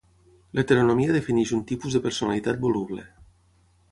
L'heteronomia defineix un tipus de personalitat voluble.